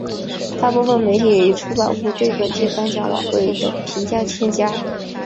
大部分媒体出版物对本届颁奖晚会的评价欠佳。